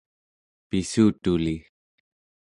pissutuli